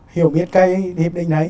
hiểu biết cái hiệp định ấy